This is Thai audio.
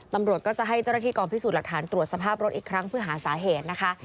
ตำรวจก็จะให้เจ้าหน้าที่กองพิสูจน์หลักฐานตรวจสภาพรถอีกครั้งเพื่อหาสาเหตุนะคะ